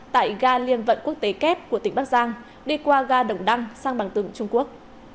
tại ga liên vận quốc tế kép của tỉnh bắc giang đi qua ga đồng đăng sang bằng tường trung quốc